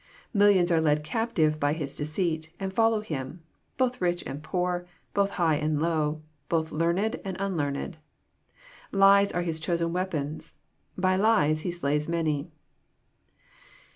Millions are led captive by his deceit, and follow him, both rich and poor, both high and low, both learned and unlearned. Lies are his chosen weapons. By lies he slays many.